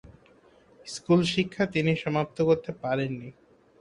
School শিক্ষা তিনি সমাপ্ত করতে পারেননি।